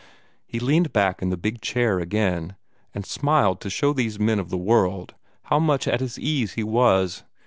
He leaned back in the big chair again, and smiled to show these men of the world how much at his ease he was.